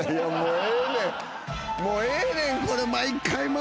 もうええねん。